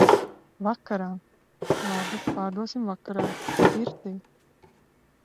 -Vakarā! -Labi, pārdosim vakarā. -Pirtī!